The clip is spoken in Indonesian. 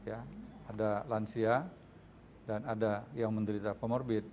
ada lansia dan ada yang menderita comorbid